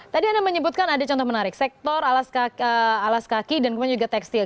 tadi anda menyebutkan ada contoh menarik sektor alas kaki dan kemudian juga tekstil